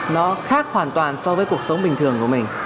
nó khác hoàn toàn so với cuộc sống bình thường của mình